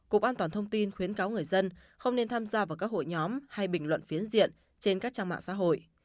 cục an toàn thông tin khuyến cáo người dân không nên tham gia vào các hội nhóm hay bình luận phiến diện trên các trang mạng xã hội